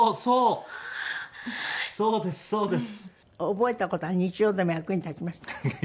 覚えた事は日常でも役に立ちました？